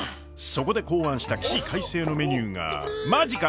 そこで考案した起死回生のメニューがまじか？